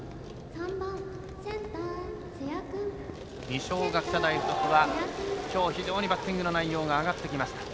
二松学舎大付属はきょう、非常にバッティングの内容が上がってきました。